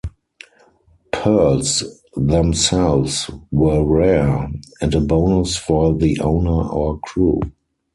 Pearls themselves were rare and a bonus for the owner or crew.